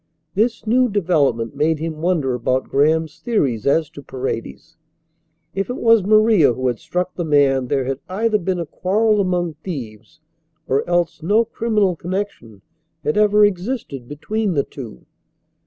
This new development made him wonder about Graham's theories as to Paredes. If it was Maria who had struck the man there had either been a quarrel among thieves or else no criminal connection had ever existed between the two.